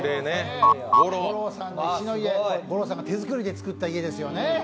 五郎さんの石の家、五郎さんが手作りで作った家ですね。